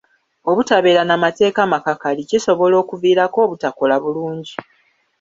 Obutabeera na mateeka makakali kisobola okuviirako obutakola bulungi.